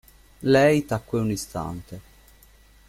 Lei tacque un istante.